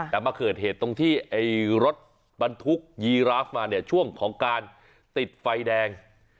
แต่มาเกิดเหตุตรงที่รถบรรทุกยีราฟมาเนี่ยช่วงของการติดไฟแดง